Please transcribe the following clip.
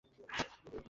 আপনি কি আহত হয়েছেন?